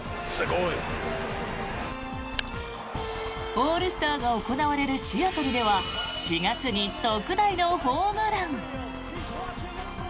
オールスターが行われるシアトルでは４月に特大のホームラン。